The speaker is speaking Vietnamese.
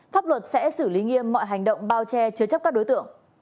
pháp luật sẽ xử lý nghiêm mọi hành động bao che chứa chấp các đối tượng